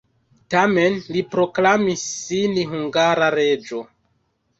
Tamen li proklamis sin hungara reĝo.